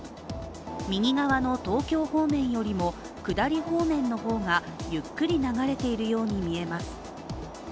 右側の東京方面よりも下り方面の方がゆっくり流れているように見えます。